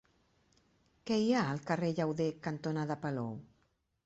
Què hi ha al carrer Llauder cantonada Palou?